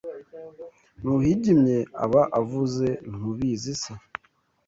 N'uhigimye aba avuze ntubizi se